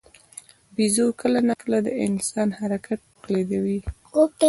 بیزو کله ناکله د انسان حرکات تقلیدوي.